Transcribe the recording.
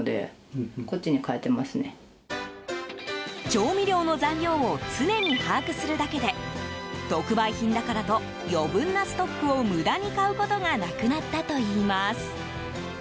調味料の残量を常に把握するだけで特売品だからと余分なストックを無駄に買うことがなくなったといいます。